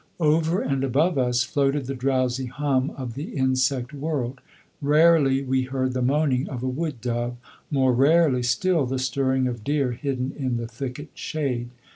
Over and above us floated the drowsy hum of the insect world; rarely we heard the moaning of a wood dove, more rarely still the stirring of deer hidden in the thicket shade.